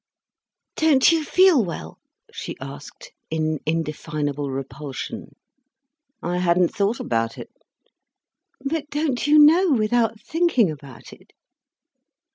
"Don't you feel well?" she asked, in indefinable repulsion. "I hadn't thought about it." "But don't you know without thinking about it?"